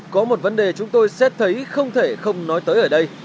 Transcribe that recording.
có một vấn đề chúng tôi xét thấy không thể không nói tới ở đây